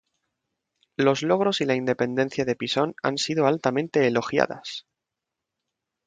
Los logros y la independencia de Pisón han sido altamente elogiadas.